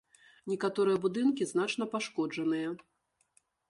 Некаторыя будынкі значна пашкоджаныя.